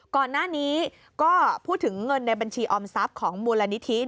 ก่อนหน้านี้ก็พูดถึงเงินในบัญชีออมทรัพย์ของมูลนิธิ